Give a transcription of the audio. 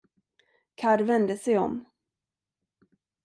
Karr vände sig om.